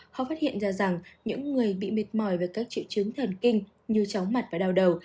khó phát hiện ra rằng những người bị mệt mỏi về các triệu chứng thần kinh như chóng mặt và đau đầu